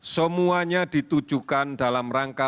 semuanya ditujukan dalam rangka